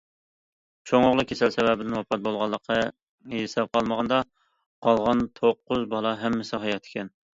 چوڭ ئوغلى كېسەل سەۋەبىدىن ۋاپات بولغانلىقىنى ھېسابقا ئالمىغاندا، قالغان توققۇز بالا ھەممىسى ھايات ئىكەن.